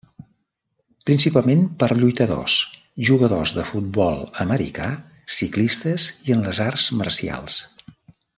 Principalment per lluitadors, jugadors de futbol americà, ciclistes i en les arts marcials.